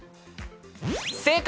正解！